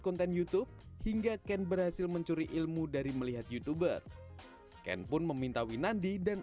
konten youtube hingga ken berhasil mencuri ilmu dari melihat youtuber ken pun meminta winandi dan